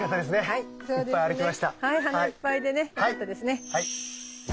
はい花いっぱいでね良かったですね。